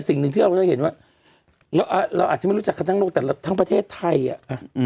สิ่งหนึ่งที่เราจะเห็นว่าเราอาจจะไม่รู้จักกันทั้งโลกแต่ทั้งประเทศไทยอ่ะ